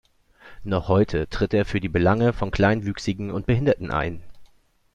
Noch heute tritt er für die Belange von Kleinwüchsigen und Behinderten ein.